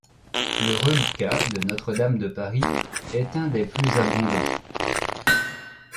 Le « Reliquat » de Notre-Dame de Paris est un des plus abondants.